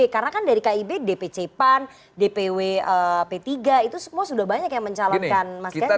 karena kan dari kib dpc pan dpw p tiga itu semua sudah banyak yang mencalonkan mas ganjar